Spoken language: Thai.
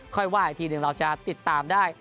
ค่อยว่ายทีหนึ่งเราจะติดตามได้